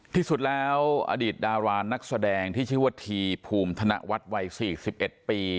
ที่สุดแล้วอดีตดารานักแสดงที่ชื่อว่าทีภูมิธนวัฒน์วัย๔๑ปี